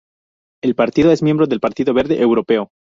El partido es miembro del Partido Verde Europeo.